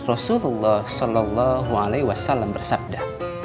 rasulullah sallallahu alaihi wasallam bersabda